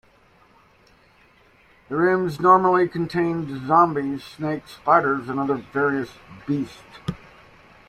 The rooms normally contained zombies, snakes, spiders and other various beasts.